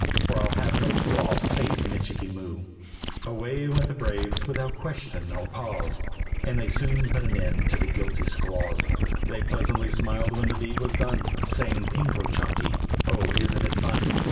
For I'll have no squaw save Michikee Moo!" Away went the braves, without question or pause, And they soon put an end to the guilty squaws; They pleasantly smiled when the deed was done, Saying "Ping ko chanky! oh! isn't it fun?"